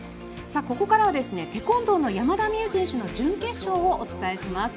ここからはテコンドーの山田美諭選手の準決勝をお伝えします。